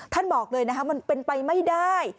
บอกเลยนะคะมันเป็นไปไม่ได้